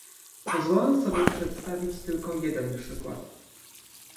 Pozwolę sobie przedstawić tylko jeden przykład